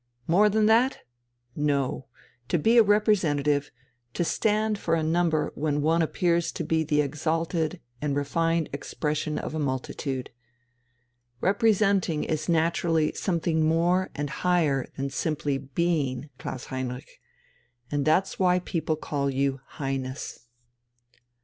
'More than that?' No! to be a representative, to stand for a number when one appears to be the exalted and refined expression of a multitude. Representing is naturally something more and higher than simply Being, Klaus Heinrich and that's why people call you Highness."